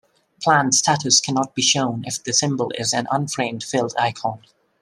Planned status cannot be shown if the symbol is an unframed filled icon.